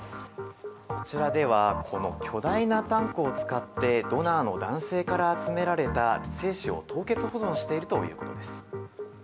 こちらでは、この巨大なタンクを使って、ドナーの男性から集められた精子を凍結保存しているということです。